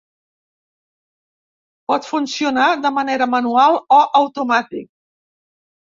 Pot funcionar de manera manual o automàtic.